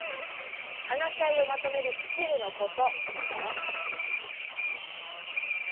話し合いをまとめるスキルのこと。